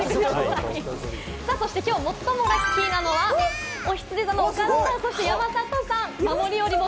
そして今日最もラッキーなのは、おひつじ座の岡田さんと山里さん。